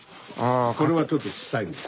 これはちょっとちっさいです。